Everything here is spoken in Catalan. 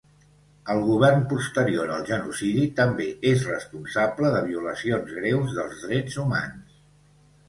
El govern posterior al genocidi també és responsable de violacions greus dels drets humans.